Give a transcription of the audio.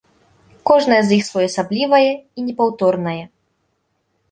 Кожнае з іх своеасаблівае і непаўторнае.